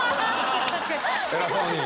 偉そうに。